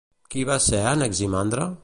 Qui va ser Anaximandre?